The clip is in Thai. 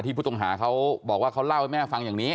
ผู้ต้องหาเขาบอกว่าเขาเล่าให้แม่ฟังอย่างนี้